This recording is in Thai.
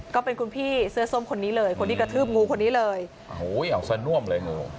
ก็เป็นคุณพี่เสื้อส้มคนนี้เลยคนที่กระทืบงูคนนี้เลยโอ้โหเอาเสื้อน่วมเลยงู